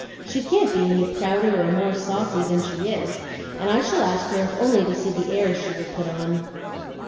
She can't be any prouder or more saucy than she is, and I shall ask her if only to see the airs she will put on."